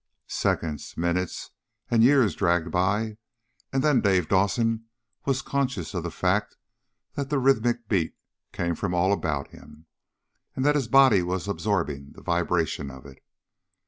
Seconds, minutes, and years dragged by, and then Dave Dawson was conscious of the fact that the rhythmic beat came from all about him, and that his body was absorbing the vibration of it.